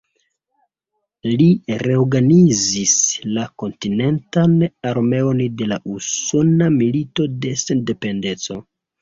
Li reorganizis la kontinentan armeon en la Usona Milito de Sendependeco.